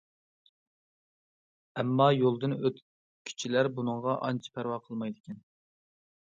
ئەمما، يولدىن ئۆتكۈچىلەر بۇنىڭغا ئانچە پەرۋا قىلمايدىكەن.